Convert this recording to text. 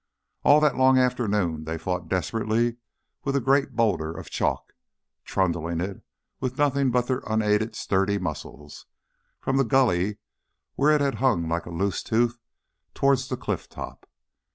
And all the long afternoon they fought desperately with a great boulder of chalk; trundling it, with nothing but their unaided sturdy muscles, from the gully where it had hung like a loose tooth, towards the cliff top.